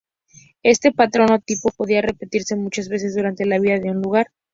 Este patrón o tipo podía repetirse muchas veces durante la vida de un lugar.